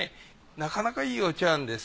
なかなかいいお茶碗です。